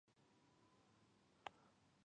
د فلاني کال د جنورۍ پر دویمه.